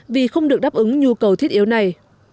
vì không được đáp ứng nhu cầu thiết yếu này